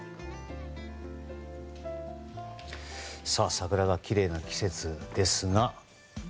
桜がきれいな季節ですが。